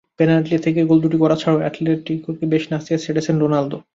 Penalty থেকে goal দুটি করা ছাড়াও অ্যাটলেটিকোকে বেশ নাচিয়ে ছেড়েছেন রোনালদো।